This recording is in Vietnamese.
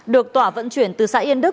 được tỏa vận chuyển từ xã yên đức